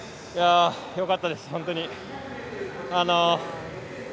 よかったです、本当に。